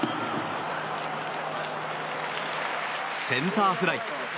センターフライ。